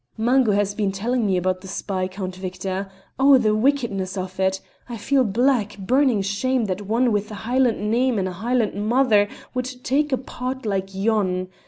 "Mungo has been telling me about the spy, Count Victor. Oh, the wickedness of it! I feel black, burning shame that one with a Highland name and a Highland mother would take a part like yon.